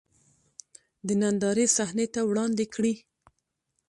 د نندارې صحنې ته وړاندې کړي.